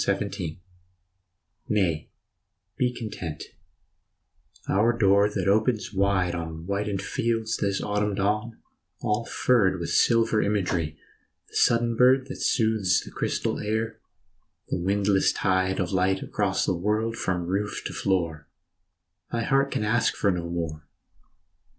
89 FALL NAY, be content our door that opens wide On whitened fields this autumn dawn, all furred With silver imagery, the sudden bird That soothes the crystal air, the windless tide Of light across the world from roof to floor Thy heart can ask no more.